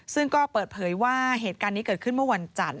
ซึ่งก็เปิดเผยว่าเหตุการณ์นี้เกิดขึ้นเมื่อวันจันทร์